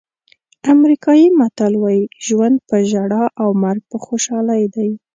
امریکایي متل وایي ژوند په ژړا او مرګ په خوشحالۍ دی.